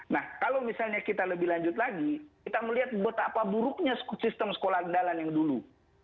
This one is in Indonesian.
nah kalau misalnya kita lebih lanjut lagi kita melihat betapa buruknya sistem sekolah andalan yang dulu